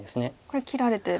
これ切られて。